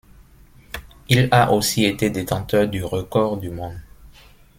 Il a aussi été détenteur du record du monde.